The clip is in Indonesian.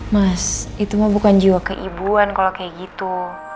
mas itu mah bukan jiwa keibuan kalau kayak gitu